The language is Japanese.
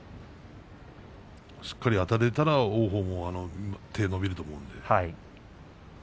しっかり、あたれたら王鵬も手が伸びると思うんでね。